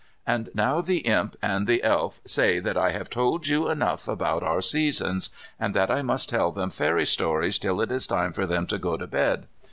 And now the Imp and the Elf say that I have told you enough about our Seasons, and that I must tell them fairy stories till it is time for them to go to bed.